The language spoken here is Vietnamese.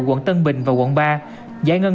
quận tân bình và quận ba giải ngân